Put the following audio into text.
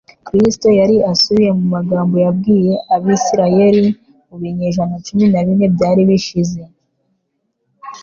Kristo yari asubiye mu magambo yabwiye Abisirayeli mu binyejana cumi na bine byari bishize